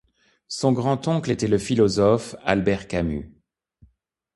Son grand-oncle était le philosophe Albert Camus.